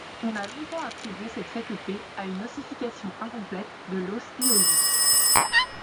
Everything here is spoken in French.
On a longtemps attribué cette faculté à une ossification incomplète de l'os hyoïde.